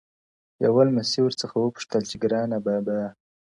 یوه لمسي ورڅخه وپوښتل چي ګرانه بابا!.